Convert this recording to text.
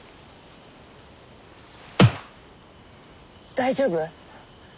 大丈夫？